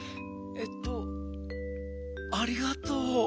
えっとありがとう。